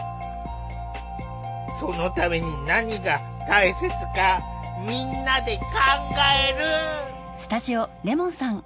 そのために何が大切かみんなで考える！